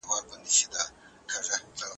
فتح خان د خپلو دشمنانو سره په جګړه کې مخکښ و.